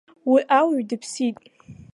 Уи ауаҩ дыԥсит.